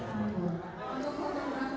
adi yang tercangkut